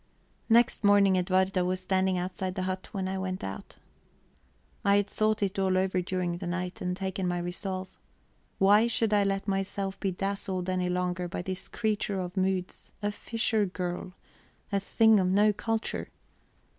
Next morning Edwarda was standing outside the hut when I went out. I had thought it all over during the night, and taken my resolve. Why should I let myself be dazzled any longer by this creature of moods, a fisher girl, a thing of no culture?